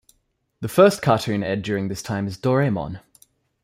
The first Cartoon aired during this time is Doraemon.